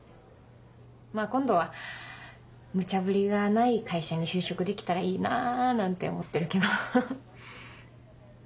まぁ今度はムチャブリがない会社に就職できたらいいなぁなんて思ってるけど。